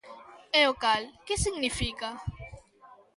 E o cal, ¿que significa?